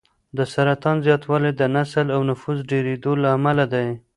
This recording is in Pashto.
د سرطان زیاتوالی د نسل او نفوس ډېرېدو له امله دی.